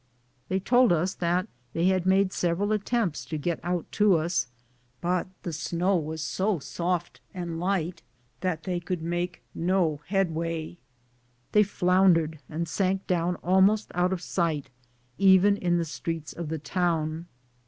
They told us that they had made several attempts to get out to us, but the snow was so soft and light that tliey could make no headway. They floundered and sank down almost out of sight, even in the streets of the town.